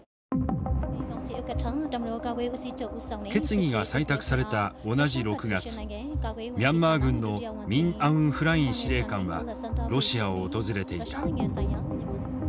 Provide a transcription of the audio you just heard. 決議が採択された同じ６月ミャンマー軍のミン・アウン・フライン司令官はロシアを訪れていた。